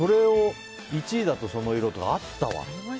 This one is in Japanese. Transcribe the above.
１位だとその色とかあったわ。